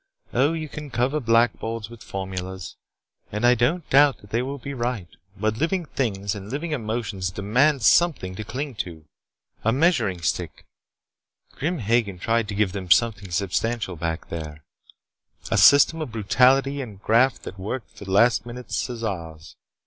"Oh, you can cover blackboards with formulas, and I don't doubt that they will be right. But living things and living emotions demand something to cling to. A measuring stick. Grim Hagen tried to give them something substantial back there: A system of brutality and graft that worked for the last minute Caesars.